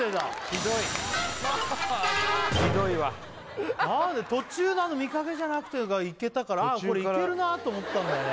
ひどいひどいわ何で途中の「見かけじゃなくて」がいけたからこれいけるなと思ったんだよね